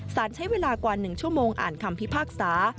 สารใช้เวลากว่า๑ชั่วโมงอ่านคำพิพากษา